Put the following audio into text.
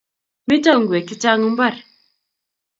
Mito ingwek chechang mbar